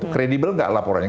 kredibel nggak laporannya